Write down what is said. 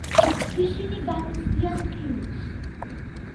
ისინი განიცდიან ტკივილს.